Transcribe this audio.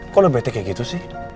kok lo bete kayak gitu sih